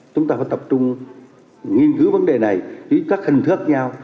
chúng ta phải tập trung nghiên cứu vấn đề này với các hình thức khác nhau